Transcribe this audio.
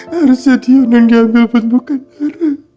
harusnya dion yang diambil pun bukan dara